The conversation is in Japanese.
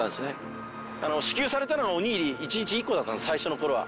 支給されたのがおにぎり一日一個だったんです最初の頃は。